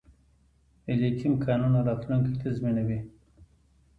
د لیتیم کانونه راتلونکی تضمینوي